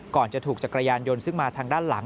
จะถูกจักรยานยนต์ซึ่งมาทางด้านหลัง